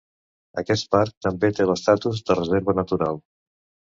Aquest parc també té l'estatus de reserva natural.